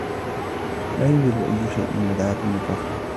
لا يوجد أي شيء مدعاة للفخر.